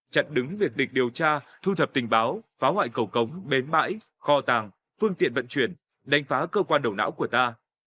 chặn đứng việc địch điều tra thu thập tình báo phá hoại cầu cống bến mãi kho tàng phương tiện vận chuyển đánh phá cơ quan đầu não của ta